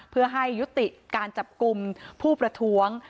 เพื่อให้ยุติการจับกลุ่มผู้ประท้วง